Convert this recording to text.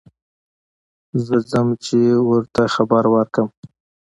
زه ځم چې ور ته خبر ور کړم.